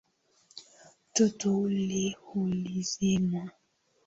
Moto ule ulizimwa.